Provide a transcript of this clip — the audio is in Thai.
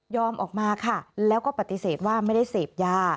ออกมาค่ะแล้วก็ปฏิเสธว่าไม่ได้เสพยา